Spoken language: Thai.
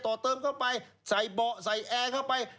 ต่อเติมเข้าไปใส่เบาะใส่แอร์เข้าไป